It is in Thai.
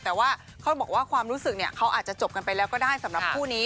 แต่ว่าเขาบอกว่าความรู้สึกเนี่ยเขาอาจจะจบกันไปแล้วก็ได้สำหรับคู่นี้